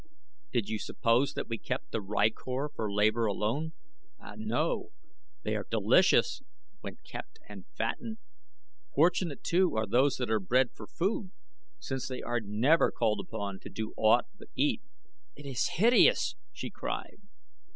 "Did you suppose that we kept the rykor for labor alone? Ah, no. They are delicious when kept and fattened. Fortunate, too, are those that are bred for food, since they are never called upon to do aught but eat." "It is hideous!" she cried.